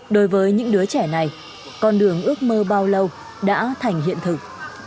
đối với những đứa trẻ này con đường ước mơ bao lâu đã thành hiện thực